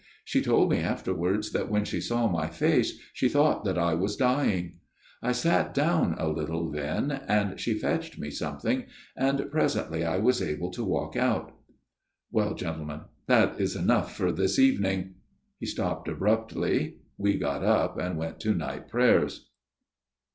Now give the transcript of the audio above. She told me afterwards that when she saw my face she thought that I was dying. ... I sat down a little then ; and she fetched me something ; and presently I was able to walk out. " Well, gentlemen, that is enough for this evening." He stopped abruptly. We got up and went to night prayers.